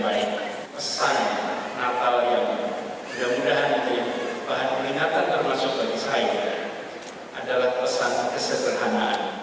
bahan peringatan termasuk dari saya adalah pesan kesederhanaan